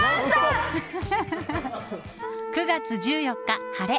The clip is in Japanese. ９月１４日、晴れ。